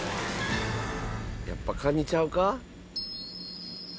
やっぱカニちゃうか？